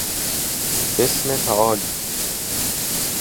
بسمه تعالی